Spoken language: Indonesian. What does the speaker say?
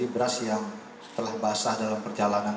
beras yang ditimbun adalah beras yang rusak